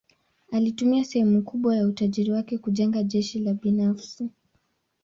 Alitumia sehemu kubwa ya utajiri wake kujenga jeshi la binafsi.